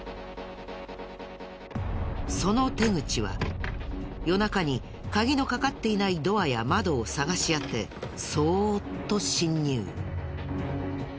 その手口は夜中に鍵のかかっていないドアや窓を探し当てそーっと侵入。